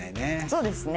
そうですね。